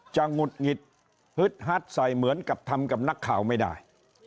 หงุดหงิดฮึดฮัดใส่เหมือนกับทำกับนักข่าวไม่ได้